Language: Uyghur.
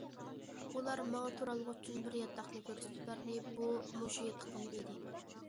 ئۇلار ماڭا تۇرالغۇ ئۈچۈن بىر ياتاقنى كۆرسىتىپ بەردى، بۇ مۇشۇ ياتىقىم ئىدى.